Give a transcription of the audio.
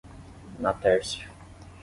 Natércia